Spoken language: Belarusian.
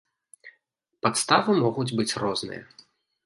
Падставы могуць быць розныя.